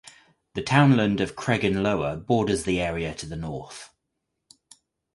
The townland of Creggan Lower borders the area to the north.